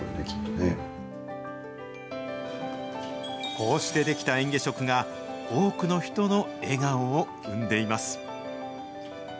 こうして出来た嚥下食が、多くの人の笑顔を生んでいます。